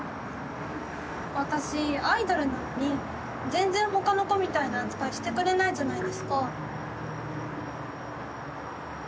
私、アイドルなのに、全然ほかの子みたいな扱いしてくれないじゃないですか。